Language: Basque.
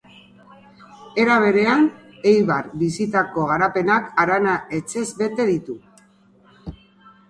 Era berean, Eibar bizitako garapenak harana etxez bete ditu.